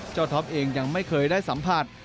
ท็อปเองยังไม่เคยได้สัมผัส